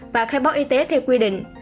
và khai báo y tế theo quy định